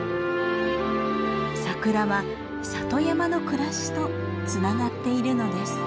サクラは里山の暮らしとつながっているのです。